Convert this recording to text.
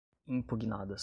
impugnadas